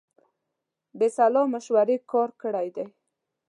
بې سلا مشورې کار کړی دی.